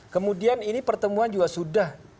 kemudian ini pertemuan juga sudah